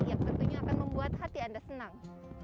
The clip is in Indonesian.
yang tentunya akan membuat hati anda senang